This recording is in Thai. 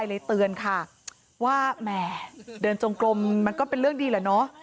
เลยเตือนค่ะว่าแหมเดินจงกลมมันก็เป็นเรื่องดีแหละเนอะ